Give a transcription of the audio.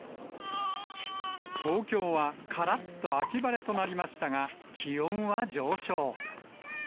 東京はからっと秋晴れとなりましたが、気温は上昇。